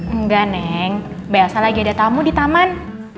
enggak neng biasa lagi ada tamu di taman